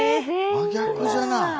真逆じゃない。